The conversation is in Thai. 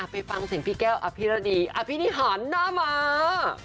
ไปฟังเสียงพี่แก้วพี่หนีนีฮันหน้ามา